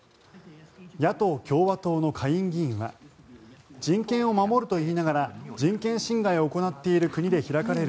野党・共和党の下院議員は人権を守ると言いながら人権侵害を行っている国で開かれる